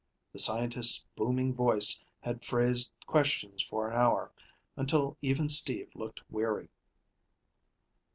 The scientist's booming voice had phrased questions for an hour, until even Steve looked weary.